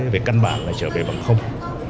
về căn bản là trở về bằng không